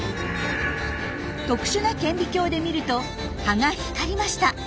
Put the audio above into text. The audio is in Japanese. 特殊な顕微鏡で見ると葉が光りました。